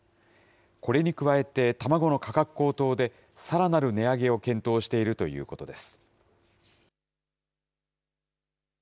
これに加えて卵の価格高騰で、さらなる値上げを検討しているということです。